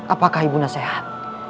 apakah ibu nda sehat